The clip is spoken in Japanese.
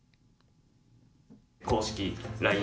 公式ＬＩＮＥ